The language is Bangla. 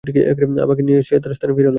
আমাকে নিয়ে সে তার স্থানে ফিরে এল।